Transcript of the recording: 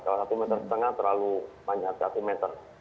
kalau satu meter setengah terlalu panjang satu meter